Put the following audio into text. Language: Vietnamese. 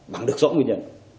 bằng được rõ nguyên nhân